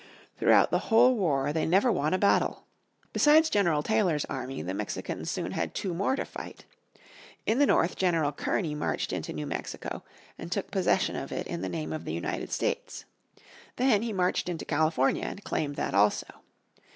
Throughout the whole war they never won a battle. Besides General Taylor's army the Mexicans soon had two more to fight. In the north General Kearney marched into New Mexico and took possession of it in the name of the United States. Then he marched into California and claimed that also.